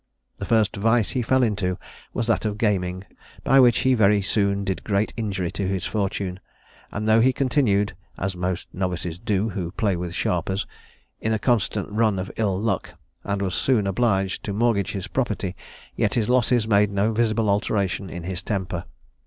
The first vice he fell into was that of gaming, by which he very soon did great injury to his fortune; and though he continued (as most novices do who play with sharpers) in a constant run of ill luck, and was soon obliged to mortgage his property, yet his losses made no visible alteration in his temper.